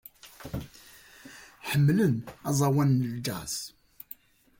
Ḥemmlen aẓawan n jazz.